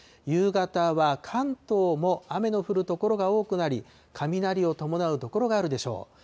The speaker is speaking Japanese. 夕方は関東も雨の降る所が多くなり、雷を伴う所があるでしょう。